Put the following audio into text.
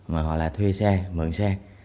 mà họ là thuê xe mượn xe